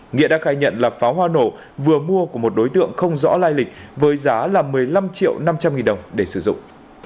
nghĩa đã khai nhận là pháo hoa nổ vừa mua của một đối tượng không rõ lai lịch với giá là một mươi năm triệu năm trăm linh nghìn đồng để sử dụng